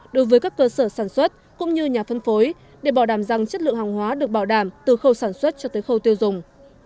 đối với các cơ sở sản xuất cũng như nhà phân phối để bảo đảm rằng chất lượng hàng hóa được bảo đảm từ khâu sản xuất cho tới khâu tiêu dùng